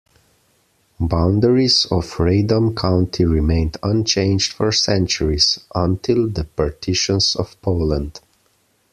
Boundaries of Radom County remained unchanged for centuries, until the Partitions of Poland.